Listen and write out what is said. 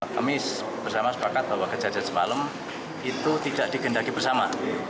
kami bersama sepakat bahwa kejadian semalam itu tidak digendaki bersama